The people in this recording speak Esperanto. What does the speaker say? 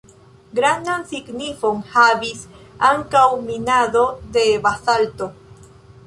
Grandan signifon havis ankaŭ minado de bazalto.